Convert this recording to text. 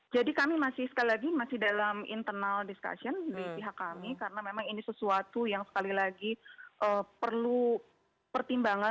jadi kami masih sekali lagi masih dalam internal discussion di pihak kami karena memang ini sesuatu yang sekali lagi perlu pertimbangan